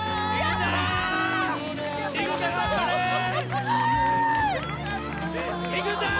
すごーい！